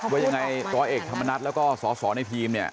ว่ายังไงร้อยเอกพรรณรัฐแล้วก็ศศในพีม